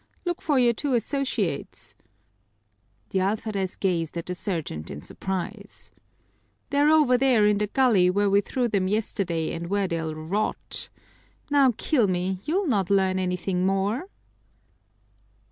Look for your two associates." The alferez gazed at the sergeant in surprise. "They're over there in the gully where we threw them yesterday and where they'll rot. Now kill me, you'll not learn anything more."